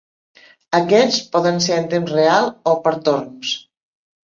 Aquests poden ser en temps real o per torns.